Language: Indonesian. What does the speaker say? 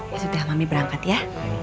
ya sudah kami berangkat ya